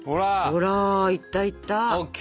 ほらいったいった！ＯＫ！